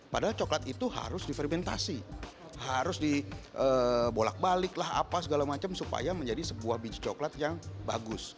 padahal coklat itu harus difermentasi harus dibolak balik lah apa segala macam supaya menjadi sebuah biji coklat yang bagus